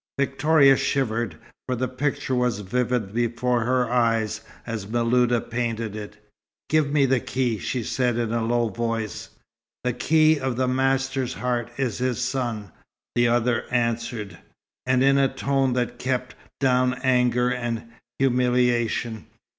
Victoria shivered, for the picture was vivid before her eyes, as Miluda painted it. "Give me the key," she said in a low voice. "The key of the master's heart is his son," the other answered, in a tone that kept down anger and humiliation.